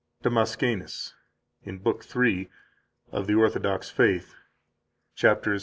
33 DAMASCENUS, in Book 3, Of the Orthodox Faith, chaps.